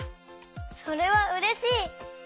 それはうれしい！